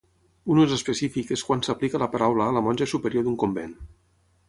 Un ús específic és quan s'aplica la paraula a la monja superior d'un convent.